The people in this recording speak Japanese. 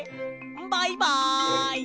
バイバイ！